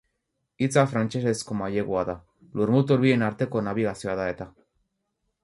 Hitza frantsesezko mailegua da, lurmutur bien arteko nabigazioa da eta.